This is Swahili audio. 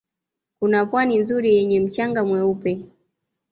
Kuna Pwani nzuri yenye mchanga mweupe